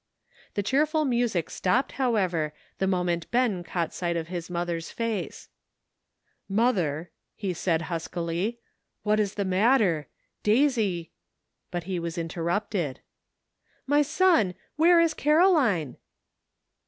The cheerful music stopped, however, the moment Ben caught sight of his mother's face. ^'WIIAT COULD HAPPEN?'' 6a " Mother," he said huskily, " what is the matter? Daisy" — but he was interrupted. "My son, where is Caroline?"